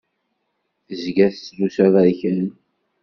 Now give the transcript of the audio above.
Tezga tettlusu aberkan.